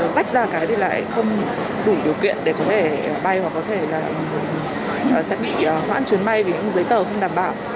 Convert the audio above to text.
rách ra cái thì lại không đủ điều kiện để có thể bay hoặc có thể là sẽ bị hoãn chuyến bay vì những giấy tờ không đảm bảo